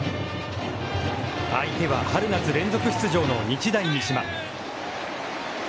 相手は、春夏連続出場の日大三島。